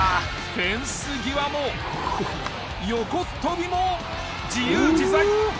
フェンス際も横っ飛びも自由自在！